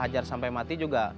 hajar sampai mati juga